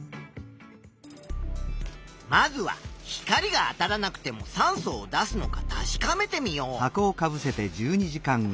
まずは光があたらなくても酸素を出すのか確かめてみよう。